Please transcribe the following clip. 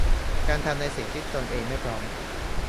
การทำในสิ่งที่ตนเองไม่พร้อม